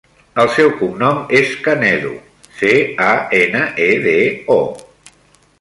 El seu cognom és Canedo: ce, a, ena, e, de, o.